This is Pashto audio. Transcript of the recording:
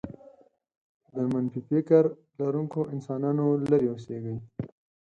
د منفي فكر لرونکو انسانانو لرې اوسېږئ.